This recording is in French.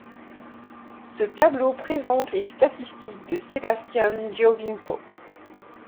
Ce tableau présente les statistiques de Sebastian Giovinco.